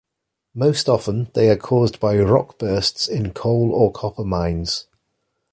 Most often they are caused by rock bursts in coal or copper mines.